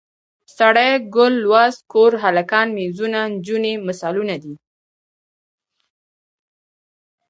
سړی، ګل، لوست، کور، هلکان، میزونه، نجونې مثالونه دي.